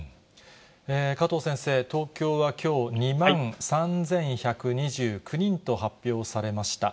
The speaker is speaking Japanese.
加藤先生、東京はきょう、２万３１２９人と発表されました。